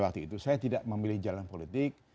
waktu itu saya tidak memilih jalan politik